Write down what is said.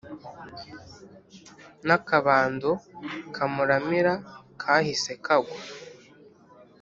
n’akabando kamuramiraga kahise kagwa